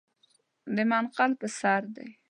د منقل پر سر دی .